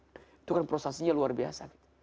itu kan prosesnya luar biasa